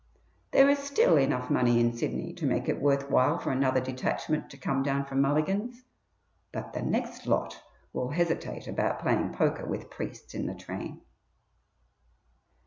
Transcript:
There is still enough money in Sydney to make it worth while for another detachment to come down from Mulligan's; but the next lot will hesitate about playing poker with priests in the train.